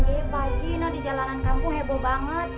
eh pagi ini di jalanan kampung heboh banget